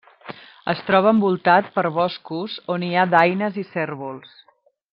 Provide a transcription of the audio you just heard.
Es troba envoltat per boscos on hi ha daines i cérvols.